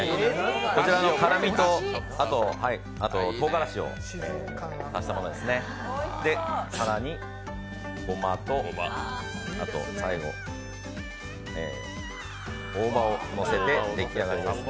こちらの辛みととうがらしを足したものですねで、更にごまと、最後、大葉をのせて出来上がりです。